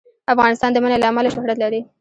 افغانستان د منی له امله شهرت لري.